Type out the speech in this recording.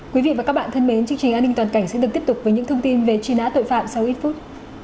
quý vị và các bạn thân mến chương trình an ninh toàn cảnh sẽ được tiếp tục với những thông tin về truy nã tội phạm sau ít phút